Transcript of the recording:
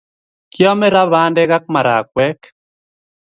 Kiame ra pandek ak marakwek